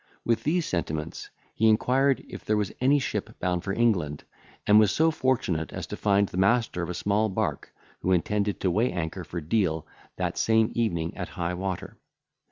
With these sentiments, he inquired if there was any ship bound for England, and was so fortunate as to find the master of a small bark, who intended to weigh anchor for Deal that same evening at high water.